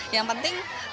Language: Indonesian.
yang penting adalah